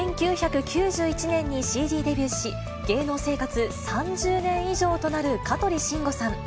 １９９１年にＣＤデビューし、芸能生活３０年以上となる香取慎吾さん。